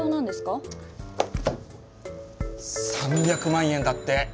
３００万円だって。